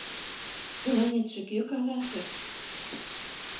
— Тыланетше кӧ каласыш?